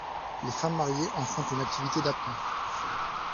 Les femmes mariées en font une activité d'appoint.